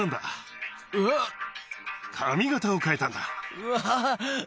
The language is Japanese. うわ。